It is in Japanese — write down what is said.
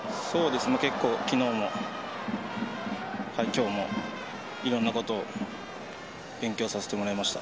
昨日も今日もいろんなこと勉強させてもらいました。